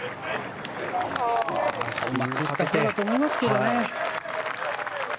うまく打ったと思いますけどね。